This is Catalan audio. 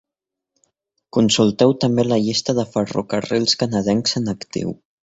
Consulteu també la llista de ferrocarrils canadencs en actiu.